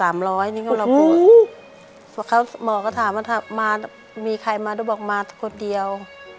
อันต่อมาก็ถามว่ามีใครมาแล้วบอกว่ามาคนเดียว